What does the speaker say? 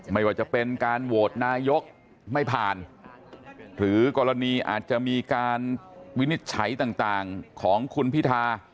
ไม่ว่าจะเป็นการโหวตนายกไม่ผ่านหรือกรณีอาจจะมีการวินิจฉัยต่างของคุณพิธา